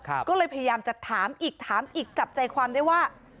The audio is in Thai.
ก็เลยพยายามจะถามอีกถามอีกจับใจความได้ว่า